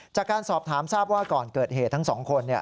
จากการสอบถามทราบว่าก่อนเกิดเหตุทั้งสองคน